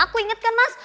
aku inget kan mas